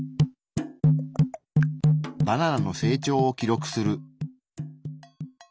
バナナの成長を記録する。